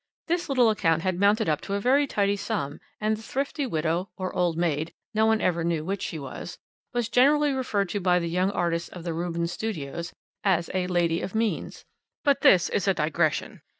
This little account had mounted up to a very tidy sum, and the thrifty widow or old maid no one ever knew which she was was generally referred to by the young artists of the Rubens Studios as a 'lady of means.' But this is a digression.